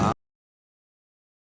aku mau berbicara sama anda